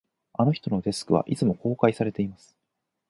あの人のデスクは、いつも公開されています